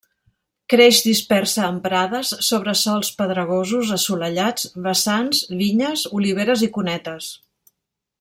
Creix dispersa en prades, sobre sòls pedregosos assolellats, vessants, vinyes, oliveres i cunetes.